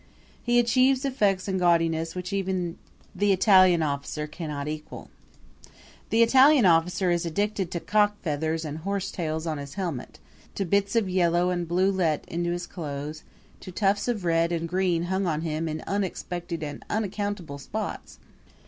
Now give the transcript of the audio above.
He achieves effects in gaudiness which even time Italian officer cannot equal. The Italian officer is addicted to cock feathers and horsetails on his helmet, to bits of yellow and blue let into his clothes, to tufts of red and green hung on him in unexpected and unaccountable spots.